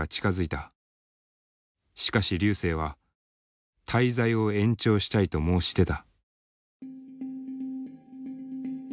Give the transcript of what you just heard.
しかし瑠星は「滞在を延長したい」と申し出た。